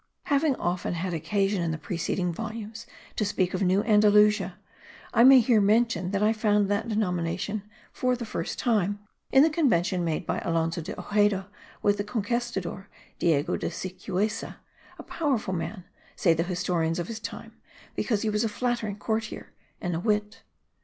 Having often had occasion in the preceding volumes to speak of New Andalusia, I may here mention that I found that denomination, for the first time, in the convention made by Alonso de Ojeda with the Conquistador Diego de Sicuessa, a powerful man, say the historians of his time, because he was a flattering courtier and a wit.